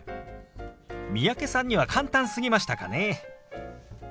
三宅さんには簡単すぎましたかね。